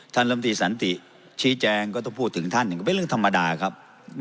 ลำตีสันติชี้แจงก็ต้องพูดถึงท่านก็เป็นเรื่องธรรมดาครับ